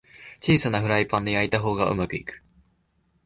小さなフライパンで焼いた方がうまくいく